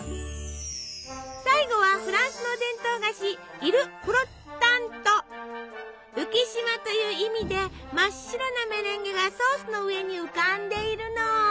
最後はフランスの伝統菓子「浮島」という意味で真っ白なメレンゲがソースの上に浮かんでいるの。